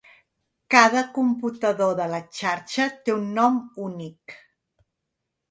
Cada computador de la xarxa té un nom únic.